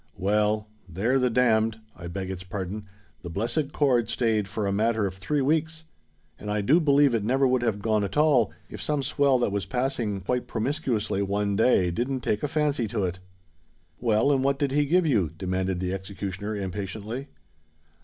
Well—there the damned—I beg its pardon—the blessed cord stayed for a matter of three weeks; and I do believe it never would have gone at all, if some swell that was passing quite promiscuously one day didn't take a fancy to it——" "Well, and what did he give you?" demanded the executioner impatiently.